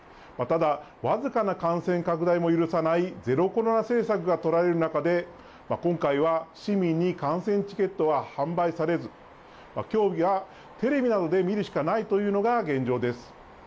ただ、僅かな感染拡大も許さないゼロコロナ政策が取られる中で、今回は市民に観戦チケットは販売されず、競技はテレビなどで見るしかないというのが現状です。